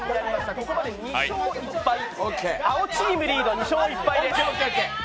ここまで２勝１敗、青チームリードです。